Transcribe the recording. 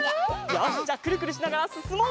よしじゃくるくるしながらすすもう！